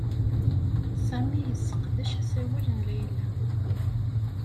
Sami yesseqdec asawal n Layla.